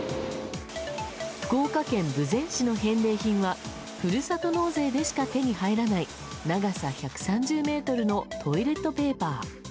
福岡県豊前市の返礼品はふるさと納税でしか手に入らない長さ１３０ｍのトイレットペーパー。